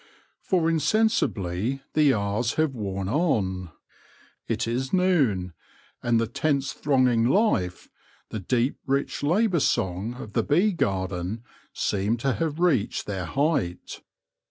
For insensibly the hours have worn on — it is noon — and the tense thronging life, the deep rich labour song, of the bee garden seem to have reached their height.